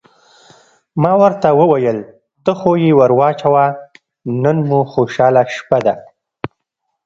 ما ورته وویل: ته خو یې ور واچوه، نن مو خوشحاله شپه ده.